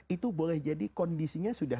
itu boleh jadi kondisinya sudah